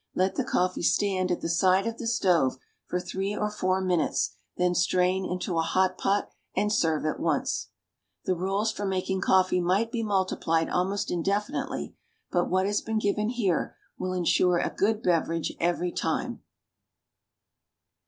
Let the coffee stand at the side of the stove for three or four minutes, then strain into a hot pot, and serve at once. The rules for making coffee might be multiplied almost indefinitely, but what has been given here will insure a good beverage every time.